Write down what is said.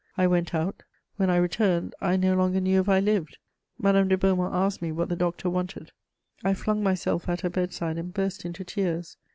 I went out: when I returned, I no longer knew if I lived. Madame de Beaumont asked me what the doctor wanted. I flung myself at her bedside and burst into tears.